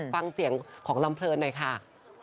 ฟังเสียงของลำเพลินหน่อยค่ะ